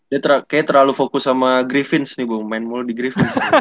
kayaknya terlalu fokus sama griffins nih gue main mulu di griffins